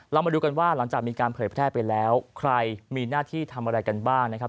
มาดูกันว่าหลังจากมีการเผยแพร่ไปแล้วใครมีหน้าที่ทำอะไรกันบ้างนะครับ